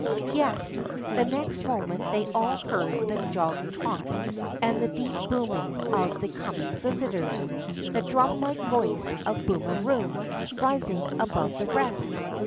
Yes, the next moment they all heard the jog trot and the deep booming of the coming visitors, the drnmlike voice of Booin a Room rising above the rest.